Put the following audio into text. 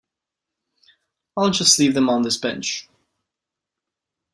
I'll just leave them on this bench.